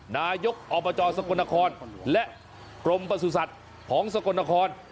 นายกอบจสกลนครและกรมประสุทธิ์ของสกลนคร